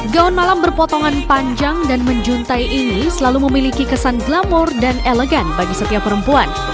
gaun malam berpotongan panjang dan menjuntai ini selalu memiliki kesan glamor dan elegan bagi setiap perempuan